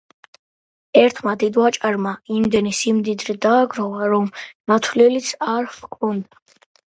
ერთმა დიდვაჭარმა იმდენი სიმდიდრე დააგროვა, რომ დათვლილიც არ ჰქონდა